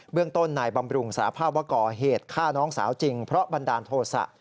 เรื่องต้นนายบำรุงสารภาพว่าก่อเหตุฆ่าน้องสาวจริงเพราะบันดาลโทษะ